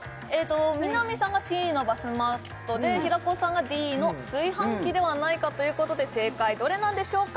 南さんがＣのバスマットで平子さんがＤの炊飯器ではないかということで正解どれなんでしょうか？